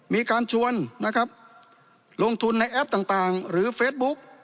มีการชวนนะครับลงทุนในแอปต่างหรือเฟซบุ๊ก